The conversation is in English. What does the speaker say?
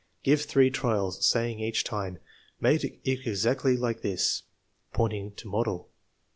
Give three trials, saying each time: " Make it exactly like this," pointing to model.